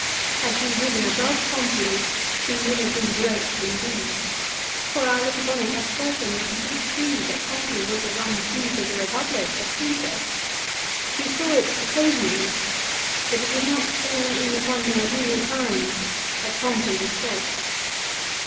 Had he risen above Pompey he would have been great indeed ; for I look upon it as certain that he did see that Pompey was as untrue to the Eepublic as Csesar. He saw it occasionally, but it was not borne in upon him at all times that Pompey was false.